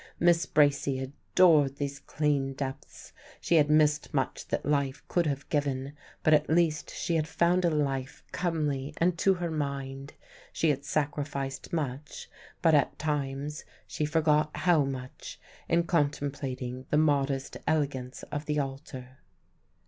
Miss Bracy adored these clean depths. She had missed much that life could have given; but at least she had found a life comely and to her mind. She had sacrificed much; but at times she forgot how much in contemplating the modest elegance of the altar.